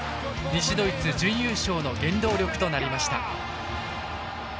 西ドイツ準優勝の原動力となりました。